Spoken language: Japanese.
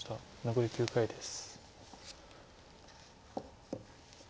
残り９回です。